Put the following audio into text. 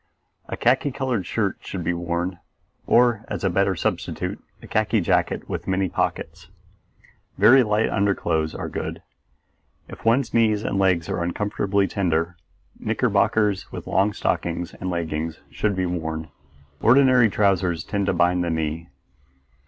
A khaki colored shirt should be worn, or, as a better substitute, a khaki jacket with many pockets. Very light underclothes are good. If one's knees and legs are unfortunately tender, knickerbockers with long stockings and leggings should be worn; ordinary trousers tend to bind the knee.